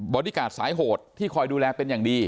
อดี้การ์ดสายโหดที่คอยดูแลเป็นอย่างดี